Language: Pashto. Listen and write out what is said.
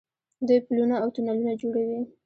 دوی پلونه او تونلونه جوړوي.